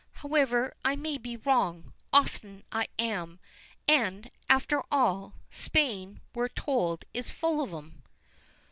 "However, I may be wrong. I often am. And, after all, Spain we're told is full of 'em."